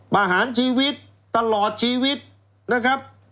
ประหารชีวิตตลอดชีวิตนะครับ